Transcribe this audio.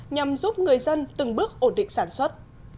nhằm giúp người dân từng bước ổn định sản xuất